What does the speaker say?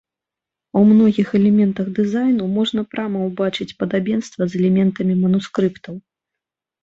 У многіх элементах дызайну можна прама ўбачыць падабенства з элементамі манускрыптаў.